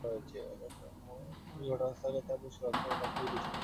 Police ঘটনাস্থলে গেলে তারা পুলিশকে লক্ষ্য করে এলোপাতাড়ি গুলি ছুড়তে থাকে।